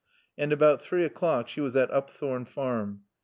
And about three o'clock she was at Upthorne Farm.